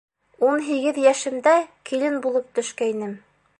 Ун һигеҙ йәшемдә килен булып төшкәйнем...